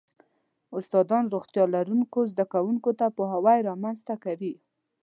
استادان روغتیا لرونکو زده کوونکو کې پوهاوی رامنځته کوي.